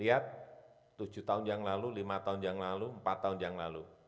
lihat tujuh tahun yang lalu lima tahun yang lalu empat tahun yang lalu